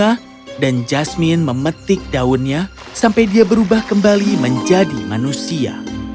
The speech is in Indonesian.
dia dan jasmine memetik daunnya sampai dia berubah kembali menjadi manusia